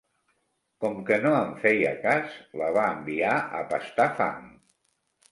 Com que no en feia cas, la va enviar a pastar fang.